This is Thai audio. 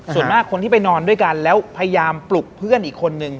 ส่วนมากคนที่ไปนอนด้วยกันแล้วพยายามปลุกเพื่อนอีกคนนึง